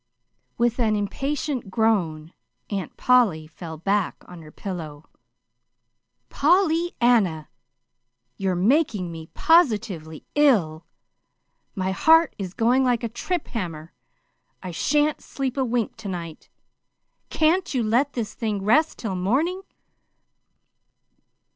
With an impatient groan Aunt Polly fell back on her pillow. "Pollyanna, you're making me positively ill. My heart is going like a trip hammer. I sha'n't sleep a wink to night. CAN'T you let this thing rest till morning?"